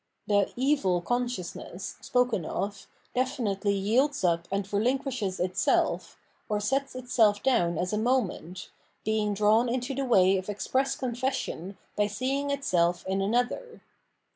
The evil con sciousness, spoken of, definitely yields up and relin quishes itself, or sets itself down as a moment, being drawn into the way of express confession by seeing itself in another.